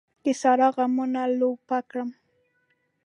د سارا غمونو لولپه کړم.